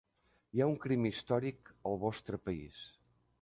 Hi ha un crim històric al vostre país.